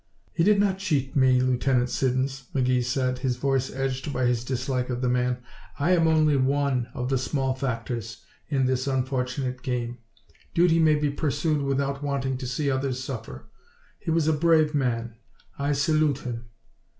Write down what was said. "He did not cheat me, Lieutenant Siddons," McGee said, his voice edged by his dislike of the man. "I am only one of the small factors in this unfortunate game. Duty may be pursued without wanting to see others suffer. He was a brave man. I salute him."